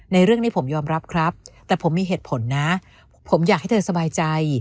ในเรื่องนี้ผมยอมรับครับแต่ผมมีเหตุผลนะผมอยากให้เธอสบายใจ